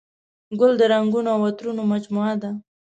ګل د رنګونو او عطرونو مجموعه ده.